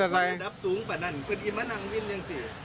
เพราะมันระดับสูงกว่านั้นคืออิมมะนังวิทย์ยังสิ